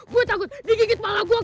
gue takut digigit malah gue